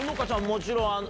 もちろん。